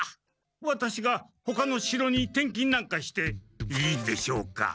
ワタシがほかの城に転勤なんかしていいんでしょうか？